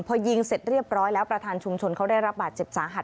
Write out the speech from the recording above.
พอยิงเสร็จเรียบร้อยแล้วประธานชุมชนเขาได้รับบาดเจ็บสาหัส